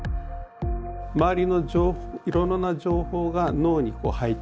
周りのいろいろな情報が脳に入ってくる。